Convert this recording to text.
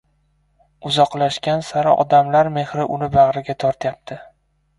Uzoqlashgan sari odamlar mehri uni bag‘riga tortyapti.